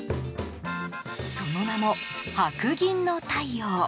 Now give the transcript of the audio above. その名も白銀の太陽。